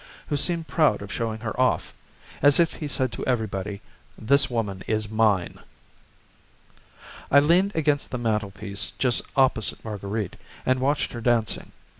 who seemed proud of showing her off, as if he said to everybody: "This woman is mine." I leaned against the mantel piece just opposite Marguerite and watched her dancing.